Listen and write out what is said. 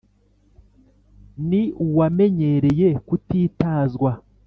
Ni uwamenyereye kutitazwa